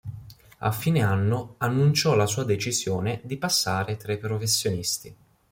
A fine anno anno annunciò la sua decisione di passare tra i professionisti.